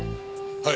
はい！